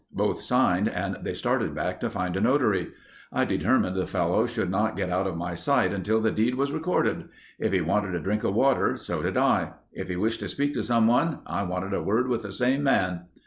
Both signed and they started back to find a notary. "I determined the fellow should not get out of my sight until the deed was recorded. If he wanted a drink of water, so did I. If he wished to speak to someone, I wanted a word with the same man."